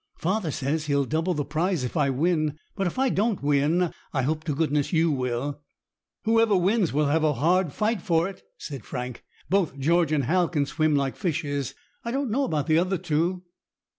"Father says he'll double the prize if I win. But if I don't win, I hope to goodness you will." "Whoever wins will have a hard fight for it," said Frank. "Both George and Hal can swim like fishes. I don't know about the other two."